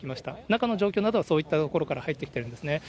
中の状況などはそういったところから入ってきているんですね。